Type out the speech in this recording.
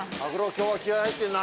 今日は気合入ってんな。